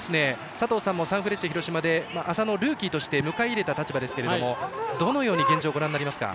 佐藤さんもサンフレッチェ広島で浅野をルーキーとして迎え入れた立場ですけどどのように現状をご覧になりますか？